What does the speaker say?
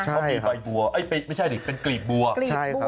ข้างบัวแห่งสันยินดีต้อนรับทุกท่านนะครับ